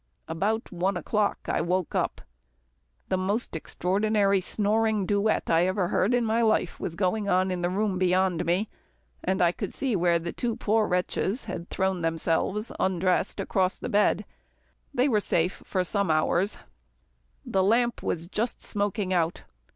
About one o'clock, I woke up. The most extraordinary snoring duet I ever heard in my life was going on in the room beyond me, and I could see where the two poor wretches had thrown themselves, undressed, across the bed. They were safe for some hours. The lamp was just smoking out.